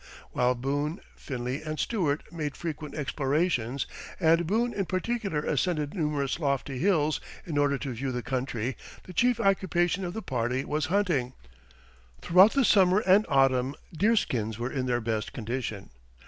While Boone, Finley, and Stuart made frequent explorations, and Boone in particular ascended numerous lofty hills in order to view the country, the chief occupation of the party was hunting. Throughout the summer and autumn deerskins were in their best condition.